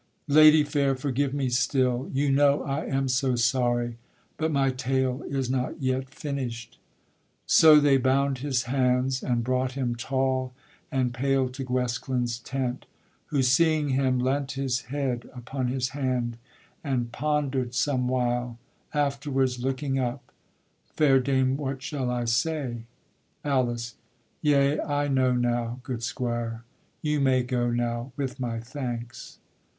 Lady fair, forgive me still! You know I am so sorry, but my tale Is not yet finish'd: So they bound his hands, And brought him tall and pale to Guesclin's tent, Who, seeing him, leant his head upon his hand, And ponder'd somewhile, afterwards, looking up: Fair dame, what shall I say? ALICE. Yea, I know now, Good squire, you may go now with my thanks.